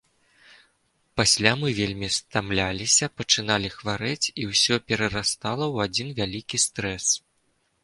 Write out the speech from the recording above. Пасля мы вельмі стамляліся, пачыналі хварэць, і ўсё перарастала ў адзін вялікі стрэс.